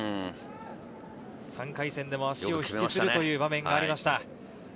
３回戦でも足を引きずるという場面がありました。